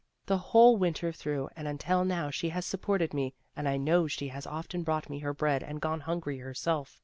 The whole Winter through and until now she has supported me, and I know she has often brought me her bread and gone hungry herself.